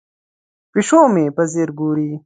پیشو مې په ځیر ګوري.